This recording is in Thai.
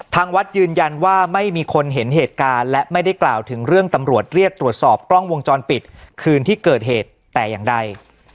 ทางวัดยืนยันว่าไม่มีคนเห็นเหตุการณ์และไม่ได้กล่าวถึงเรื่องตำรวจเรียกตรวจสอบกล้องวงจรปิดคืนที่เกิดเหตุแต่อย่างใด